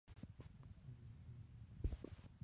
La Aleluya.